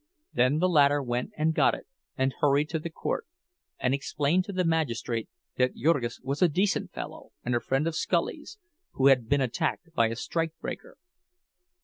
Then the latter went and got it, and hurried to the court, and explained to the magistrate that Jurgis was a decent fellow and a friend of Scully's, who had been attacked by a strike breaker.